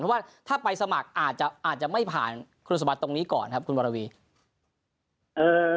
เพราะว่าถ้าไปสมัครอาจจะอาจจะไม่ผ่านคุณสมบัติตรงนี้ก่อนครับคุณวรวี